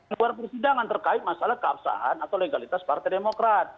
luar persidangan terkait masalah keabsahan atau legalitas partai demokrat